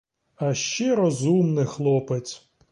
А ще розумний хлопець!